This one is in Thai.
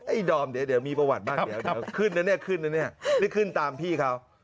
ไอ้ดอมเด๋วมีประวัติบ้างเด๋วขึ้นนะนี่นี่ขึ้นตามพี่เขา